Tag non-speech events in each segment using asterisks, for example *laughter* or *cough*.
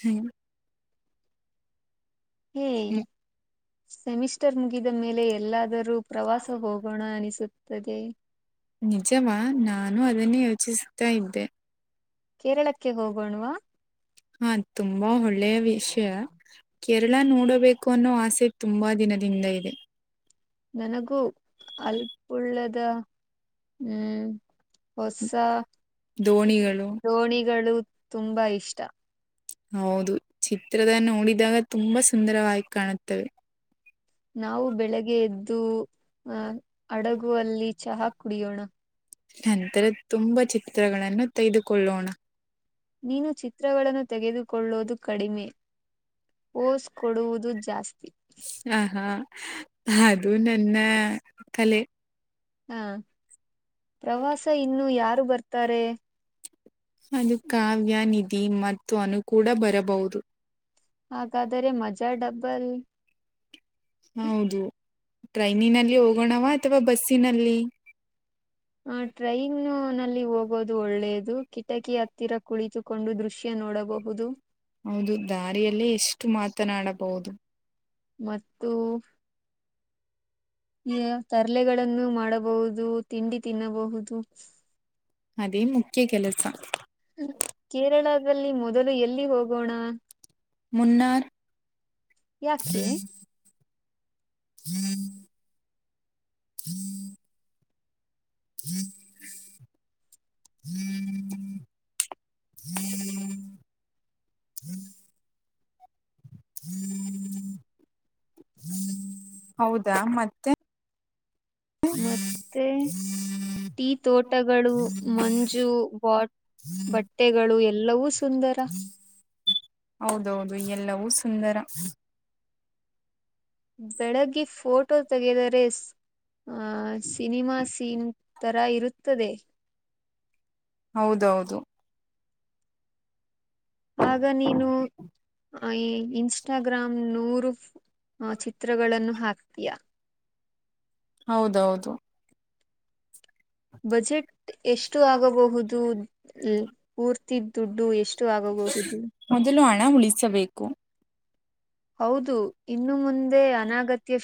ಹ್ಮ್. ಹ್ಮ್ ಸೆಮಿಸ್ಟರ್ ಮುಗಿದ ಮೇಲೆ. ಎಲ್ಲಾದರೂ ಪ್ರವಾಸ ಹೋಗೋಣ ಅನಿಸುತ್ತದೆ. ನಿಜವಾ ನಾನು ಅದನ್ನೇ ಯೋಚಿಸತ್ತಾ ಇದ್ದೆ. ಕೇರಳಕ್ಕೆ ಹೋಗೋಣವಾ ಹಾ. ತುಂಬಾ ಒಳ್ಳೆಯ ವಿಷಯ. ಕೇರಳ ನೋಡಬೇಕು ಅನ್ನೋ ಆಸೆ ತುಂಬಾ ದಿನದಿಂದ ಇದೆ. ನನಗೂ ಅಲ್ಪುಳ್ಳದ ಹ್ಮ್. ಹೊಸ ದೋಣಿಗಳು ದೋಣಿಗಳು ತುಂಬಾ ಇಷ್ಟ. ಹೌದು ಚಿತ್ರದ ನೋಡಿದಾಗ ತುಂಬಾ ಸುಂದರವಾಗಿ ಕಾಣುತ್ತವೆ. ನಾವು ಬೆಳಿಗ್ಗೆ ಎದ್ದು ಅಹ ಹಾ ಅಡಗು ಅಲ್ಲಿ ಚಹಾ ಕುಡಿಯೋಣ. ನಂತರ ತುಂಬಾ ಚಿತ್ರಗಳನ್ನು ತೆಗೆದುಕೊಳ್ಳೋಣ. ನೀನು ಚಿತ್ರಗಳನ್ನು ತೆಗೆದುಕೊಳ್ಳುವುದು ಕಡಿಮೆ. ಪೋಸ್ ಕೊಡುವುದು ಜಾಸ್ತಿ ಹ ಹಾ ಅದು ನನ್ನ. ಕಲೆೆ. ಹಾ ಪ್ರವಾಸ ಇನ್ನು ಯಾರು ಬರ್ತಾರೆ. ಅದು ಕಾವ್ಯ ನಿಧಿ ಮತ್ತು ಅನು ಕೂಡ ಬರಬಹುದು. ಹಾಗಾದರೆೆ ಮಜಾ ಡಬ್ಬಲ್. ಹೌದು ಟ್ರೈನಿನಲ್ಲಿ ಹೋಗೋಣವಾ ಅಥವಾ ಬಸ್ಸಿನಲ್ಲಿ. ಹ ಟ್ರೈನ್ ನಲ್ಲಿ ಹೋಗೋದು ಒಳ್ಳೇದು ಕಿಟಕಿ ಹತ್ತಿರ ಕುಳಿತು. ಕೊಂಡು ದೃಶ್ಯ ನೋಡಬಹುದು. ಹೌದು ದಾರಿಯಲ್ಲೇ ಎಷ್ಟು ಮಾತನಾಡಬಹುದು. ಮತ್ತು. ತರ್ಲೆಗಳನ್ನು ಮಾಡಬಹುದು ತಿಂಡಿ ತಿನ್ನಬಹುದು ಅದೇ ಮುಖ್ಯ ಕೆಲಸ ಕೇರಳದಲ್ಲಿ ಮೊದಲು ಎಲ್ಲಿ ಹೋಗೋಣ ಮುನ್ನಾರ್ ಯಾಕೆ *inaudible* *unintelligible* *unintelligible* *unintelligible* ಹೌದಾ ಮತ್ತೆ ಮತ್ತೆ ಟೀ ತೋಟಗಳು ಮಂಜು ಬಾಟ್ ಬಟ್ಟೆಗಳು ಎಲ್ಲವೂ ಸುಂದರ ಹೌದೌದು ಎಲ್ಲವೂ ಸುಂದರ ಬೆಳಗ್ಗೆ ಫೋಟೋ ತೆಗೆದಾರೆ ಆ ಸಿನಿಮಾ ಸೀಮ್ ತರ ಇರುತ್ತದೆ ಹೌದೌದು ಆಗ ನೀನು ಇನ್ಸ್ಟಾಗ್ರಾಮ್ ನೂರು ಆ ಚಿತ್ರಗಳನ್ನು ಹಾಕ್ತೀಯಾ ಹೌದೌದು ಬಜೆಟ್ ಎಷ್ಟು ಆಗಬಹುದು ತಿದ್ದ ದುಡ್ಡು ಎಷ್ಟು ಆಗೋಗಬತು ಮೊದಲು ಹಣ ಉಳಿಸಬೇಕು ಹೌದು ಇನ್ನು ಮುಂದೆ ಅನಗತ್ಯ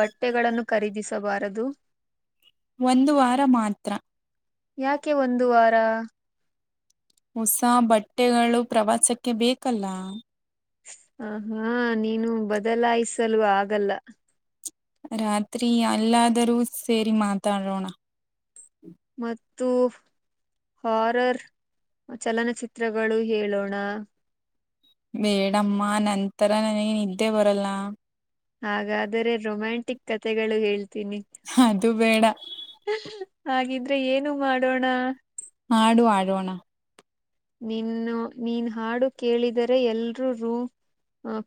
ಬಟ್ಟೆಗಳನ್ನು ಖರೀದಿಸಬಾರದು ಒಂದು ವಾರ ಮಾತ್ರ ಯಾಕೆ ಒಂದು ವಾರ ಹೊಸ ಬಟ್ಟೆಗಳು ಪ್ರವಾಸಕ್ಕೆ ಬೇಕಲ್ಲ ಆ ಹಾ ನೀನು ಬದಲಾಯಿಸಲು ಆಗಲ್ಲ ರಾತ್ರಿ ಅಲ್ಲಾದರೂ ಸೇರಿ ಮಾತಾಡೋಣ ಮತ್ತು ಹಾರರ್ ಚಲನಚಿತ್ರ ಚಿತ್ರಗಳು ಹೇಳೋಣ ಬೇಡಮ್ಮ ನಂತರ ನನಗೆ ಇದಿದ್ದೆ ಬರಲ್ಲ ಹಾಗಾದರೆೆ ರೊಮ್ಯಾಂಟಿಕ್ ಕತೆಗಳು ಹೇಳ್ತ ಿನಿ ಅದು ಬೇಡ. ಹಾಗಿದ್ರೆ ಏನು ಮಾಡೋಣ ಆಡು ಆಡೋಣ ನೀನು ನೀನ್ ಹಾಡು ಕೇಳಿದರೆ ಎಲ್ರೂ ರೂ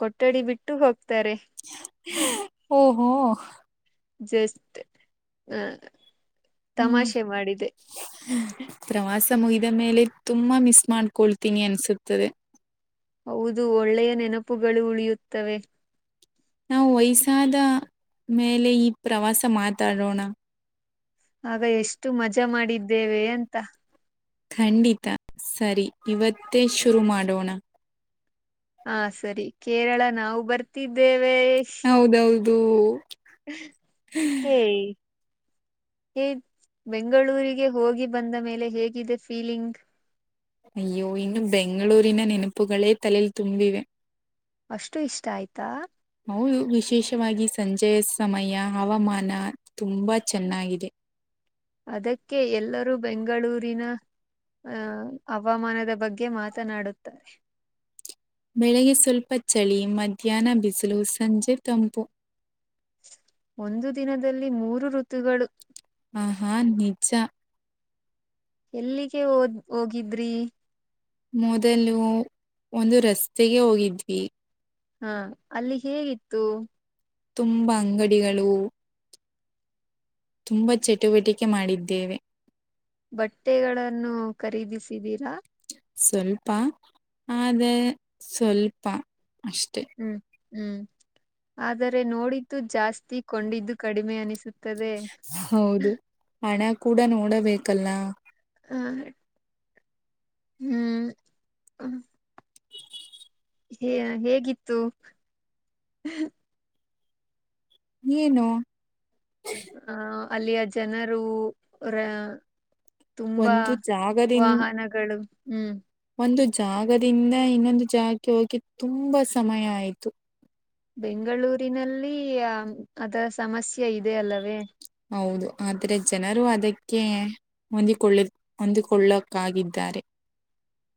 ಕೊಟ್ಟ ಒಟ್ಟಡಿ ಬಿಟ್ಟು ಹೋಗ್ತಾರೆ ಓಹೋ ಜಸ್ಟ್ ಅ ಹ್ಮ್ ತಮಾಷೆ ಮಾಡಿದೆ ಪ್ರವಾಸ ಮುಗಿದ ಮೇಲೆ ತುಂಬಾ ಮಿಸ್ ಮಾಡ್ಕೊಳ್ತೀನಿ ಅನ್ಸುತ್ತದೆ ಹೌದು ಒಳ್ಳೆಯ ನೆನಪುಗಳು ಉಳಿಯುತ್ತವೆ ನಾವು ವಯಸ್ಸಾದ ಮೇಲೆ ಈ ಪ್ರವಾಸ ಮಾತಾಡೋಣ ಆಗ ಎಷ್ಟು ಮಜಾ ಮಾಡಿದ್ದೇವೆ ಅಂತ ಖಂಡಿತ ಸರಿ ಇವತ್ತೇ ಶುರು ಮಾಡೋಣ ಹಾ ಸರಿ ಕೇರಳ ನಾವು ಬರ್ತಿದ್ದೇವೆ ಟೂ ಏ ಏ ಬೆಂಗಳೂರಿಗೆ ಹೋಗಿದ್ದ ಬಂದ ಮೇಲೆ ಹೇಗಿದೆ ಫೀಲಿಂಗ್ ಅಯ್ಯೋ ಇನ್ನು ಬೆಂಗಳೂರಿನ ನೆನಪುಗಳೇ ತಲೇಲ್ಲಿ ತುಂಬಿವೆ ಅಷ್ಟು ಇಷ್ಟ ಆಯ್ತಾ ಹೌದು ವಿಶೇಷವಾಗಿ ಸಂಜೆಯ ಸಮಯ ಹವಾಮಾನ ತುಂಬಾ ಚೆನ್ನಾಗಿದೆ ಅದಕ್ಕೆ ಎಲ್ಲರೂ ಬೆಂಗಳೂರಿನ ಅಹ ಹವಾಮಾನದ ಬಗ್ಗೆ ಗೆ ಮಾತನಾಡುತ್ತಾರೆ ಬೆಳಿಗ್ಗೆ ಸ್ವಲ್ಪ ಚಳಿ ಮಧ್ಯಾಹ್ನ ಬಿಸಿಲು ಸಂಜೆ ತಂಪು ಒಂದು ದಿನದಲ್ಲಿ ಮೂರು ಋತುಗಳು ಆಹಾ ನಿಜ ಎಲ್ಲಿಗೆ ಹದ್ ಹೋಗಿದ್ರಿ. ಮೊದಲು ಒಂದು ರಸ್ತೆಗೆ ಹೋಗಿದ್ವಿ. ಹಾ ಅಲ್ಲಿ ಹೇಗಿತ್ತು. ತುಂಬಾ ಅಂಗಡಿಗಳು. ತುಂಬಾ ಚಟುವಟಿಕೆ ಮಾಡಿದ್ದೇವೆ. ಬಟ್ಟೆಗಳನ್ನು ಖರೀದಿಸಿದೀರಾ. ಸ್ವಲ್ಪ ಆದೇ ಸ್ವಲ್ಪ ಅಷ್ಟೆ. ಹಹೂ ಆದರೆ ನೋಡಿದ್ದು ಜಾಸ್ತಿ ಕೊಂಡಿದ್ದು ಕಡಿಮೆ ಅನಿಸುತ್ತದೆ. ಹೌದು ಹಣ ಕೂಡ ನೋಡಬೇಕಲ್ಲ. ಹ. ಹೂ ಹೇ ಹೇಗಿತ್ತು. ಹ್ಞ. ಏನು. ಅಹ ಅಲ್ಲಿಯ ಜನರು. ತುಂಬಾ ಒಂದು ಜಾಗದಿಂ ವಾಹನಗಳು ಹೂ ಒಂದು ಜಾಗದಿಂದ ಇನ್ನೊಂದು ಜಾಗಕ್ಕೆ ಹೋಗಿ ತುಂಬಾ ಸಮಯ ಆಯ್ತು ಬೆಂಗಳೂರಿನಲ್ಲಿ ಅದರ ಸಮಸ್ಯೆ ಇದೆ ಅಲ್ಲವೇ ಹೌದು ಆದ್ರೆ ಜನರು ಅದಕ್ಕೆ ಹೊಂದಿಕೊಳ್ಳಿ ಹೊಂದಿಕೊಳ್ಳಕಾಗ ಾರೆ.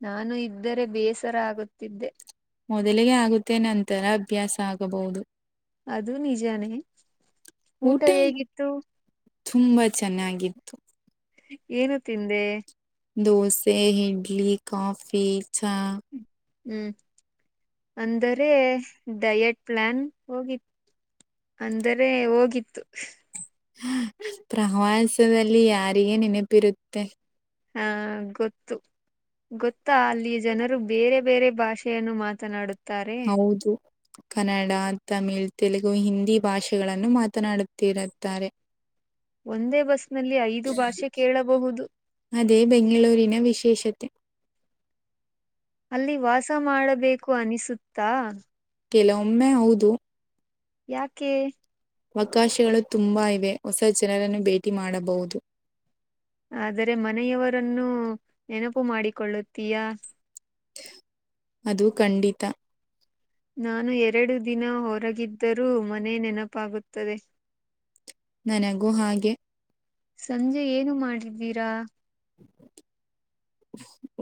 ನಾನು ಇದ್ದರೆ ಬೇಸರ ಆಗುತ್ತಿದ್ದೆ. ಮೊದಲಿಗೆ ಆಗುತ್ತೆ ನಂತರ ಅಭ್ಯಾಸ ಆಗಬಹುದು. ಅದು ನಿಜಾನೇ ಊಟ ಹೇಗಿತ್ತು. ತುಂಬ ಚೆನ್ನಾಗಿತ್ತು. ಏನು ತಿಂದೆ. ದೋಸೆ ಇಡ್ಲಿ ಕಾಫಿ ಚ. ಹೂ ಅಂದರೆ. ಡಯಟ್ ಪ್ಲಾನ್ ಹೋಗಿತ್ತು ಅಂದರೆ ಹೋಗಿತ್ತು. ಪ್ರವಾಸದಲ್ಲಿ ಯಾರಿಗೆ ನೆನಪಿರುತ್ತೆ. ಹಾ ಗೊತ್ತು ಗೊತ್ತಾ ಅಲ್ಲಿ ಜನರು. ಬೇರೆ ಬೇರೆ ಭಾಷೆಯನ್ನು ಮಾತನಾಡುತ್ತ. ಹೌದು. ಕನ್ನಡ ತಮಿಳ್ ತೆಲುಗು ಹಿಂದಿ ಭಾಷೆಗಳನ್ನು ಮಾತನಾಡುತ್ತಿರುತ್ತಾರೆ. ಒಂದೇ ಬಸ್ ನಲ್ಲಿ ಐದು ಭಾಷೆ ಕೇಳಬಹುದು. ಅದೇ ಬೆಂಗಳೂರಿನ ವಿಶೇಷತೆ ಅಲ್ಲಿ ವಾಸ ಮಾಡಬೇಕು ಅನಿಸುತ್ತಾ ಒಮ್ಮೆ ಹೌದು ಯಾಕೆ ಅವಕಾಶಗಳು ತುಂಬಾ ಇವೆ ಹೊಸ ಜನರನ್ನು ಭೇಟಿ ಮಾಡಬಹುದು ಆದರೆ ಮನೆಯವರನ್ನು ನೆನಪು ಮಾಡಿಕೊಳ್ಳುತ್ತೀಯಾ ಅದು ಖಂಡಿತ ನಾನು ಎರಡು ದಿನ ಹೊರಗಿದ್ದರೂ ಮನೆ ನೆನಪಾಗುತ್ತದೆ ನನಗು ಹಾಗೆ ಸಂಜೆ ಏನು ಮಾಡಿದ್ದೀರಾ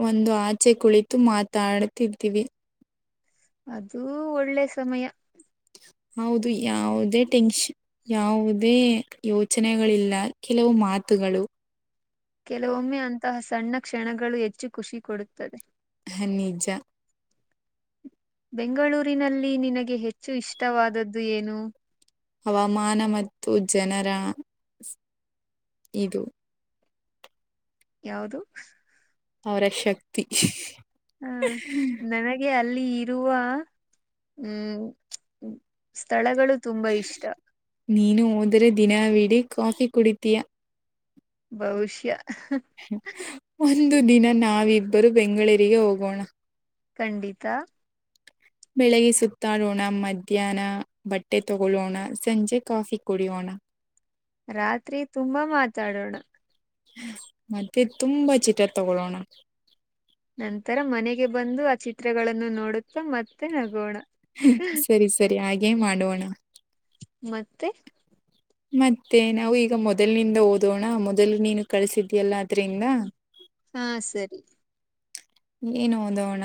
ಒಂದು ಆಚೆ ಕುಳಿತು ಮಾತಾಡ್ತಿದ್ದೀವಿ ಅದುೂ ಒಳ್ಳೆ ಸಮಯ ಹೌದು ಯಾವುದೇ ಟೆನ್ಷನ್ ಯಾವುದೇ ಯೋಚನೆಗಳಿಲ್ಲ ಕೆಲವು ಮಾತುಗಳು ಕೆಲವೊಮ್ಮೆ ಅಂತಹ ಸಣ್ಣ ಕ್ಷಣಗಳು ಹೆಚ್ಚು ಖುಷಿ ಕೊಡುತ್ತದೆ ನಿಜ ಬೆಂಗಳೂರಿನಲ್ಲಿ ನಿನಗೆ ಹೆಚ್ಚು ಇಷ್ಟವಾದದ್ದು ಏನು ಹವಾಮಾನ ಮತ್ತು ಜನರ ಇದು ಯಾವ್ದು ಅವರ ಶಕ್ತಿ ಹಾ ನನಗೆ ಅಲ್ಲಿ ಇರುವ ಹೂ ಸ್ಥಳಗಳು ತುಂಬಾ ಇಷ್ಟ ನೀನು ಹೋದರೆೆ ದಿನವಿಡ ಕಾಫಿ ಕುಡಿತೀಯಾ ಬಹುಶ್ಯಃ ಒಂದು ದಿನ ನಾವಿಬ್ಬರು ಬೆಂಗಳೂರಿಗೆ ಹೋಗೋಣ ಖಂಡಿತಾ ಬೆಳಿಗ್ಗೆ ಸುತ್ತಾಡೋಣ ಮಧ್ಯಾಹ್ನ ಬಟ್ಟೆ ತಗೊಳ್ಳೋಣ ಸಂಜೆ ಕಾಫಿ ಕುಡಿಯವೋಣ ರಾತ್ರಿ ತುಂಬಾ ಮಾತಾಡೋಣ ಮತ್ತೆ ತುಂಬಾ ಚಿಟ ತಗೊೊಳ್ಳೋಣ ನಂತರ ಮನೆಗೆ ಬಂದು ಆ ಚಿತ್ರಗಳನ್ನು ನೋಡುತ್ತಾ ಮ ಸರಿ ಸರಿ ಹಾಗೆ ಮಾಡೋಣ ಮತ್ತೆ ಮತ್ತೆ ನಾವು ಈಗ ಮೊದಲನಿಂದ ಓದೋಣ ಮೊದಲು ನೀನು ಕಳ್ಸಿದ್ಯಲ್ಲ ಿಂದ ಹಾ ಸರಿ ಏನು ಹಓದೋಣ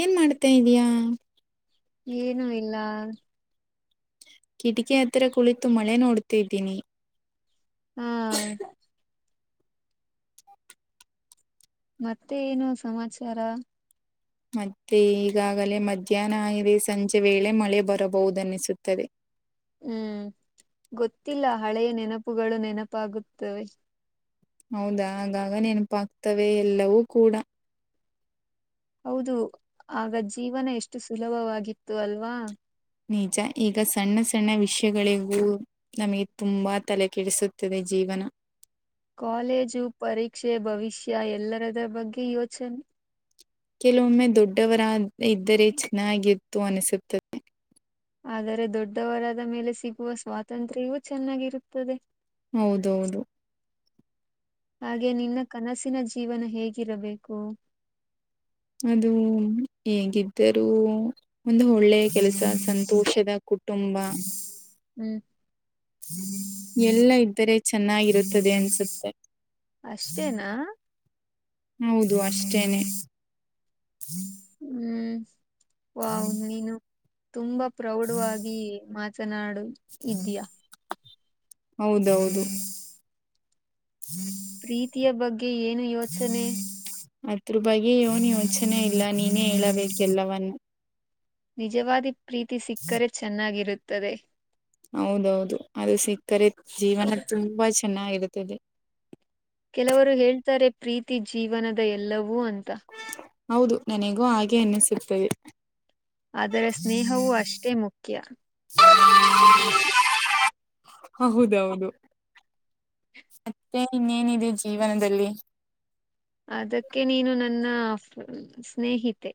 ಏನ್ ಮಾಡ್ತಾ ಇದೀಯಾ ಏನು ಇಲ್ಲ ಕಿಟಕಿ ಹತ್ರ ಕುಳಿತು ಮಳೆ ನೋಡ್ತಿದ್ದೀನಿ ಹಾ ಮತ್ತೆ ಏನು ಸಮಾಚಾರ ಮತ್ತೆ ಈಗಾಗಲೇ ಮಧ್ಯಾಹ್ನ ಇಗದೆ ಸಂಜೆ ವೇಳೆ ಮಳೆ ಬರಬಹುದುನ್ನಿಸುತ್ತದೆ ಹೂ ಗೊತ್ತಿಲ್ಲ ಹಳೆಯ ನೆನಪುಗಳು ನೆನಪಾಗುತ್ತವೆ ಹೌದಾ ಆಗಾಗ ನೆನಪಾಗಗ್ತವೆ ಎಲ್ಲವೂ ಕೂಡ ಹೌದು ಆಗ ಜೀವನ ಎಷ್ಟು ಸುಲಭವಾಗಿತ್ತು ಅಲ್ವಾ ನಿಜ ಈಗ ಸಣ್ಣ ಸಣ್ಣ ವಿಷಯಗಳಿಗೂ ನಮಗೆ ತುಂಬಾ ತಲೆ ಕೆಡಿಸುತ್ತದೆ ಜೀವನ ಕಾಲೇಜು ಪರೀಕ್ಷೆ ಭವಿಷ್ಯ ಎಲ್ಲರದ ಬಗ್ಗೆ ಯೋಚನೆ ಕೆಲವೊಮ್ಮೆ ದೊಡ್ಡವರ ಇದ್ದರೆ ಚೆನ್ನಾಗಿತ್ತು ಅನಸುತ್ತದೆ ಆದರೆ ದೊಡ್ಡವರಾದ ಮೇಲೆ ಸಿಗುವ ಸ್ವಾತಂತ್ರ್ಯವೂ ಚೆನ್ನಾಗಿರುತ್ತದೆ ಹೌದೌದು ಹಾಗೆ ನಿನ್ನ ಕನಸಿನ ಜೀವನ ಹೇಗಿರಬೇಕು ಅದು ಹೇಗಿದ್ದರೂ ಒಂದು ಒಳ್ಳೆ ಕೆಲಸ ಸಂತ ದೋಷದ ಕುಟುಂಬ ಹ್ಮ್ ಎಲ್ಲ ಇದ್ದರೆ ಚೆನ್ನಾಗಿರುತ್ತದೆ ಅನ್ಸುತ್ತೆ ಅಷ್ಟೇನಾ ಹೌದು ಅಷ್ಟೇನೆ ಹ್ಮ್ ವ್ ನೀನು ತುಂಬಾ ಪ್ರೌಡ್ವಾಗಿ ಮಾತನಾಡು ಇದಯಾ ಹೌದೌದು ಹ್ಮ್ ಪ್ರೀತಿಯ ಬಗ್ಗೆ ಏನು ಇ ಅದ್ರ ಬಗ್ಗೆ ಏನ್ ಯೋಚನೆ ಇಲ್ಲ ನೀನೇ ಹೇಳಬೇಕ ಎಲ್ಲವನ್ನ ನಿಜವಾದಿ ಪ್ರೀತಿ ಸಿಕ್ಕರೆ ಚೆನ್ನಾಗಿರುತ್ತದೆ ಹೌದೌದು ಅದು ಸಿಕ್ಕರೆ ಜೀವನ ತುಂಬಾ ಚೆನ್ನಾಗಿರುತ್ತದೆ ಕೆಲವರು ಹೇಳ್ತಾರೆ ಪ್ರೀತಿ ಜೀವನದ ಎಲ್ಲವೂ ಅಂತ ಹೌದು ನನಗೂ ಹಾಗೆ ಅನ್ನಿಸುತ್ತದೆ ಅದರ ಸ್ನೇಹವುೂ ಅಷ್ಟೇ ಮುಖ್ಯ *unintelligible* ಹೌದೌದು ಮತ್ತೆ ಇನ್ನೇನಿದೆ ಜೀವನದಲ್ಲಿ ಅದಕ್ಕೆ ನೀನು ನನ್ನ ಸ್ನೇಹಿತೆ